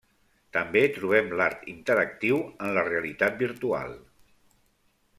També trobem l'art interactiu en la realitat virtual.